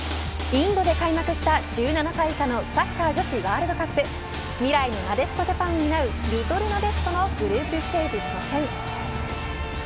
インドで開幕した１７歳以下のサッカー女子ワールドカップ未来のなでしこジャパンを担うリトルなでしこのグループステージ初戦。